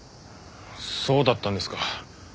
そうだったんですか。